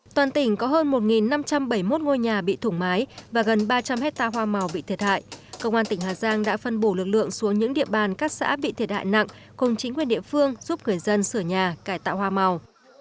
toàn tỉnh có hơn một năm trăm bảy mươi một ngôi nhà bị thủng mái và gần ba trăm linh hectare hoa màu bị thiệt hại công an tỉnh hà giang đã phân bổ lực lượng xuống những địa bàn các xã bị thiệt hại nặng cùng chính quyền địa phương giúp người dân sửa nhà cải tạo hoa màu